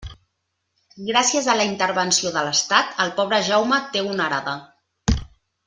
Gràcies a la intervenció de l'estat, el pobre Jaume té una arada.